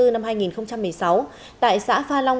năm hai nghìn một mươi sáu tại xã pha long